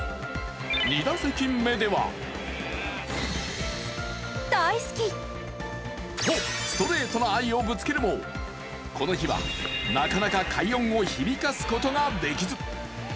２打席目ではと、ストレートな愛をぶつけるもこの日は、なかなか快音を響かすことができず。